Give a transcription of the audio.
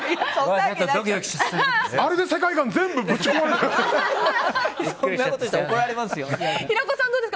あれで世界観、全部ぶち壊れる。